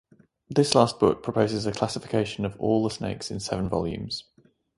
This last book proposes a classification of all the snakes in seven volumes.